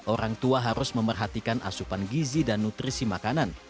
orang tua harus memerhatikan asupan gizi dan nutrisi makanan